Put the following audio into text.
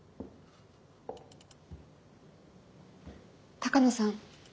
鷹野さん